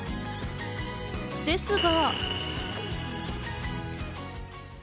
ですが。